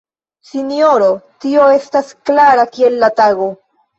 Sinjoro, tio estas klara kiel la tago!